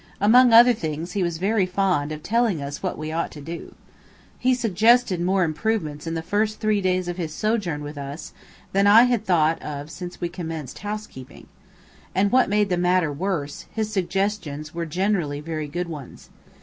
Among other things, he was very fond of telling us what we ought to do. He suggested more improvements in the first three days of his sojourn with us than I had thought of since we commenced housekeeping. And what made the matter worse, his suggestions were generally very good ones.